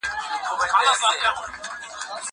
زه پرون کتاب وليکم!